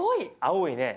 青いね。